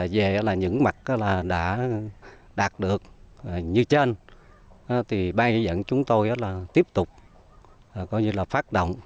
về những mặt đã đạt được như trên bà dẫn chúng tôi tiếp tục phát động